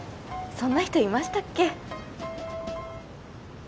そんな人いましたっけ？